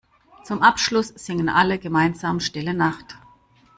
Zum Abschluss singen alle gemeinsam Stille Nacht.